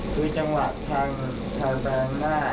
คือจังหวัดทางแบงก์หน้า